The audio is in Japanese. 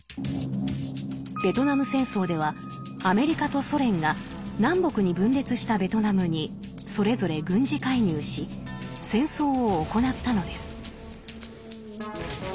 ベトナム戦争ではアメリカとソ連が南北に分裂したベトナムにそれぞれ軍事介入し戦争を行ったのです。